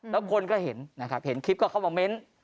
แล้วคนก็เห็นนะครับเห็นคลิปก็เข้ามาเม้น